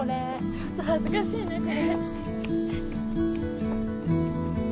・ちょっと恥ずかしいねこれ。